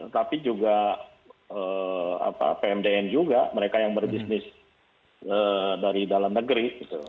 tapi juga pmdn juga mereka yang berbisnis dari dalam negeri